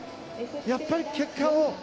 やっぱり結果を。